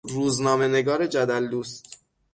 روزنامهنگار جدل دوست